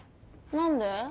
何で？